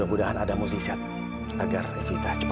aku yakin evita masih bisa bertahan